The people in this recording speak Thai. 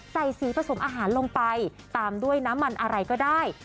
ใส่สีผสมอาหารลงไปตามด้วยน้ำมันอะไรก็ได้